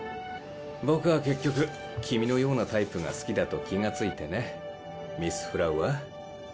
僕は結局君のようなタイプが好きだと気が付いてねミス・フラゥワー。